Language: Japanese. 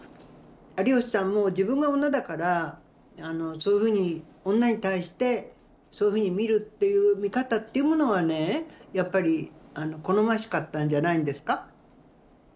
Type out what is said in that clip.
有吉さんも自分が女だからそういうふうに女に対してそういうふうに見るっていう見方っていうものはねやっぱり好ましかったんじゃないんですか。